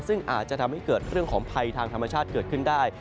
ซึ่งอาจจะทำให้เกิดเรื่องของภัยทางธรรมชาติเกิดขึ้นได้